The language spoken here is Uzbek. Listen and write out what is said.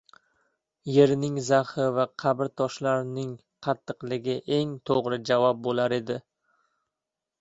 yerning zahi va qabr toshlarining qattiqligi eng to‘g‘ri javob bo‘lur edi.